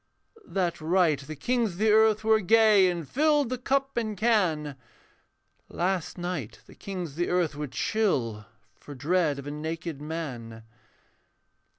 That right the kings of the earth were gay And filled the cup and can; Last night the kings of the earth were chill For dread of a naked man.